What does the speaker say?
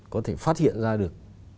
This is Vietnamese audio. có thể phát hiện ra được